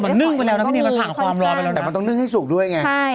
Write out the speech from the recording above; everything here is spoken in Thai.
มันนึ่งไปแล้วนะพี่เนยมันผ่านความร้อนไปแล้วแต่มันต้องนึ่งให้สุกด้วยไง